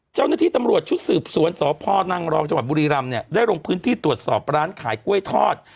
เจ้าหน้าที่ตำรวจชุดสืบสวนสพนังรองจังหวัดบุรีรำเนี่ยได้ลงพื้นที่ตรวจสอบร้านขายกล้วยทอด